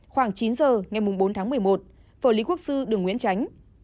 khoảng chín h ngày bốn tháng một mươi một phở lý quốc sư đường nguyễn tránh